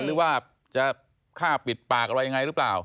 หรือว่าจะฆ่าปิดปากอะไรยังไงหรือเปล่า